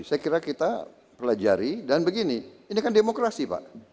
saya kira kita pelajari dan begini ini kan demokrasi pak